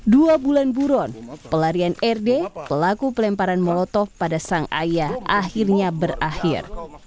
dua bulan buron pelarian rd pelaku pelemparan molotov pada sang ayah akhirnya berakhir